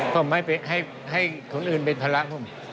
ผมไม่ให้คนอื่นเป็นภาระผม